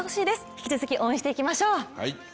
引き続き応援していきましょう。